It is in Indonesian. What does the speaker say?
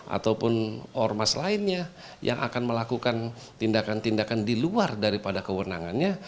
ataupun ormas lainnya yang akan melakukan tindakan tindakan di luar daripada kewenangannya